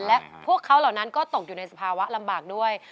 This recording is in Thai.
และพวกเขาเหล่านั้นก็ตกอยู่ในสภาวะลำบากด้วย